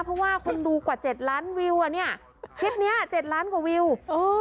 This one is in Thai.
เพราะว่าคนดูกว่าเจ็ดล้านวิวอ่ะเนี้ยคลิปเนี้ยเจ็ดล้านกว่าวิวเออ